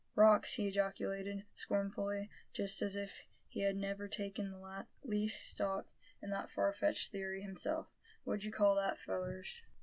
"Rocks?" he ejaculated, scornfully, just as if he had never taken the least stock in that far fetched theory himself; "what d'ye call that, fellers?"